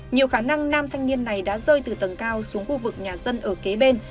nhiều khả năng nam thanh niên này đã rơi từ tầng cao xuống khu vực nhà dân ở kế bên